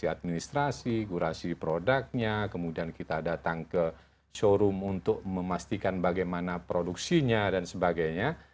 administrasi kurasi produknya kemudian kita datang ke showroom untuk memastikan bagaimana produksinya dan sebagainya